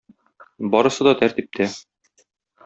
Барысы да тәртиптә.